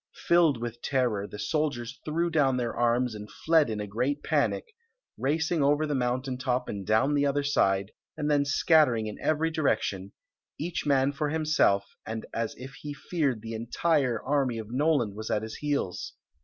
Filled with terror, the soldiers threw down their arms and fled in a great panic, racing over the mountain top and dov n the other side and then scattering in every Story of the Magic Cloak direction, each man for himself and as if he feared the entire army of Noland was at his heels.